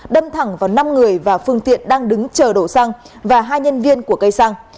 đâm thẳng vào năm người và phương tiện đang đứng chờ đổ xăng và hai nhân viên của cây xăng